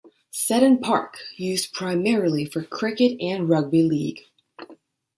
Seddon Park - used primarily for Cricket and Rugby League.